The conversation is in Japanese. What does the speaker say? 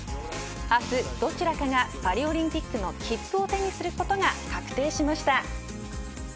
明日、どちらかがパリオリンピックの切符を手にすることが確定しました。